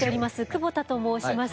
久保田と申します。